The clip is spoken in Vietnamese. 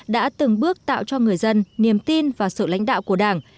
đã từng bước tạo cho người dân niềm tin và sự lãnh đạo của đảng